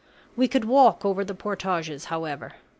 We could walk over the portages, however.